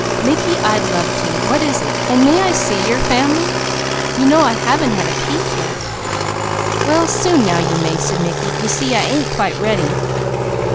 "Mickey, I'd love to. What is it? And may I see your family? You know I haven't had a peep yet." "Well soon now, you may," said Mickey. "You see I ain't quite ready."